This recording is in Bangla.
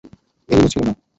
এগুলো ছিল না!